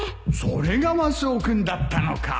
それがマスオ君だったのか